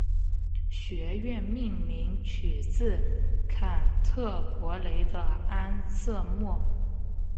学院命名取自坎特伯雷的安瑟莫。